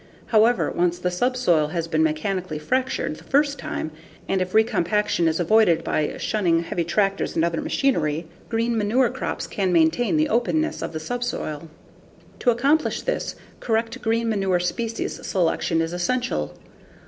However, once the subsoil has been mechanically fractured the first time, and if recompaction is avoided by shunning heavy tractors and other machinery, green manure crops can maintain the openness of the subsoil. To accomplish this, correct green manure species selection is essential.